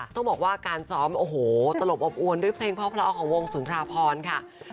ต้องบอกว่าการซ้อมโอ้โหตลบอบอวนด้วยเพลงเพราะของวงสุนทราพรค่ะ